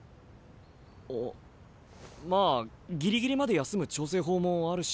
あまあギリギリまで休む調整法もあるしな。